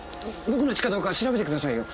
僕の血かどうか調べてくださいよ。